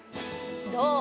どう？